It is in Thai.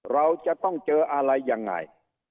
เราจะต้องเจออะไรยังไง